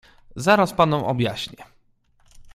"Zaraz panom objaśnię."